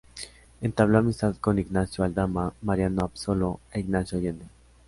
Entabló amistad con Ignacio Aldama, Mariano Abasolo e Ignacio Allende.